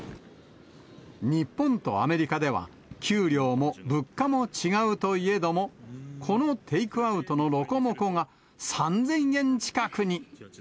日本とアメリカでは、給料も物価も違うといえども、このテイクアウトのロコモコが、３０００円近くに。